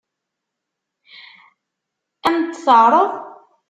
Ad m-t-teɛṛeḍ?